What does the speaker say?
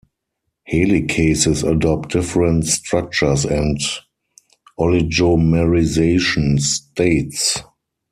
Helicases adopt different structures and oligomerization states.